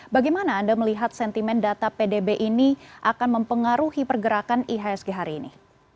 bagaimana anda melihat sentimen data pdb ini akan mempengaruhi pergerakan ihsg hari ini